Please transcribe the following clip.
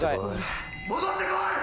戻ってこい